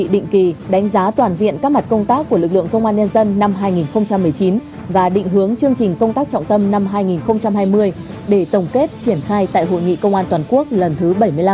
định kỳ đánh giá toàn diện các mặt công tác của lực lượng công an nhân dân năm hai nghìn một mươi chín và định hướng chương trình công tác trọng tâm năm hai nghìn hai mươi để tổng kết triển khai tại hội nghị công an toàn quốc lần thứ bảy mươi năm